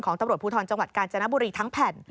ตำรวจภูทรจังหวัดกาญจนบุรีทั้งแผ่น